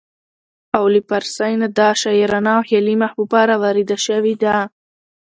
او له پارسۍ نه دا شاعرانه او خيالي محبوبه راوارده شوې ده